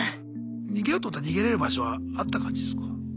逃げようと思ったら逃げれる場所はあった感じですか？